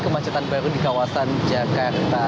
kemacetan baru di kawasan jakarta